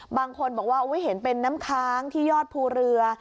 บางคนบอกว่าเห็นเป็นน้ำค้างที่ยอดภูเรือ